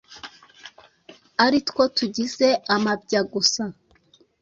aritwo tugize amabya gusa